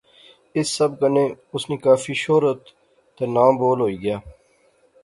اس سب کنے اس نی کافی شہرت تہ ناں بول ہوئی گیا